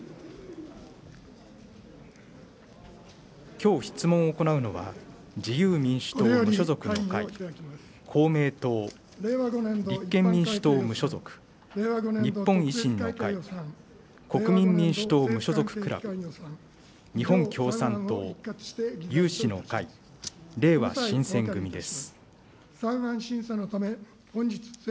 きょう質問を行うのは、自由民主党・無所属の会、公明党、立憲民主党・無所属、日本維新の会、国民民主党・無所属クラブ、日本共産党、有志の会、れいわ新選組です。